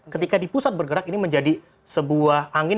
ketika di pusat bergerak ini menjadi sebuah angin